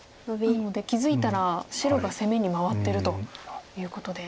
なので気付いたら白が攻めに回ってるということで。